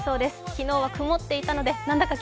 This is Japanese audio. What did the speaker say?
昨日は曇っていたのでなんだか